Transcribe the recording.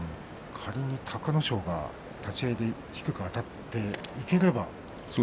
仮に隆の勝が立ち合いで低くあたっていければ。